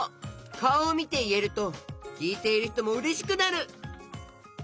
かおをみていえるときいているひともうれしくなる！